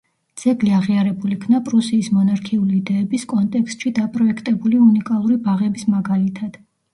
ძეგლი აღიარებულ იქნა პრუსიის მონარქიული იდეების კონტექსტში დაპროექტებული უნიკალური ბაღების მაგალითად.